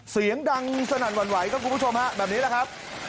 เสียงดังสนั่นหวั่นไหวครับคุณผู้ชมฮะแบบนี้แหละครับ